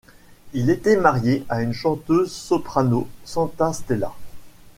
Il était marié à une chanteuse soprano, Santa Stella.